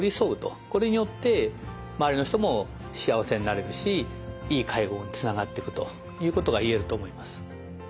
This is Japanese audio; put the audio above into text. これによって周りの人も幸せになれるしいい介護につながっていくということが言えると思います。